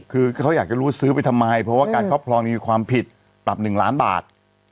คือเขาอยากจะรู้ว่าซื้อไปทำไมเพราะว่าการครอบครองยังมีความผิดปรับ๑ล้านบาท